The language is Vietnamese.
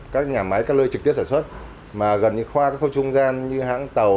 các nhà máy các lơi trực tiếp sản xuất mà gần như khoa các khâu trung gian như hãng tàu